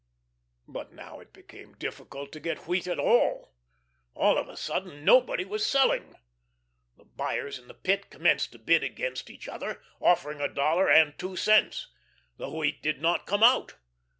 But now it became difficult to get wheat at all. All of a sudden nobody was selling. The buyers in the Pit commenced to bid against each other, offering a dollar and two cents. The wheat did not "come out."